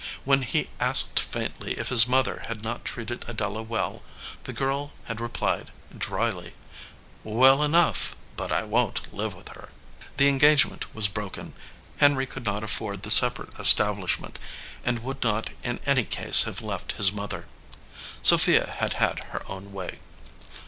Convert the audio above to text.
When he had asked faintly if his mother had not treated Adela well, the girl had replied, dryly, "Well enough, but I won t live with her." The engagement was broken. Henry could not afford the separate establishment and would not in any case have left his mother. Sophia had had her own way.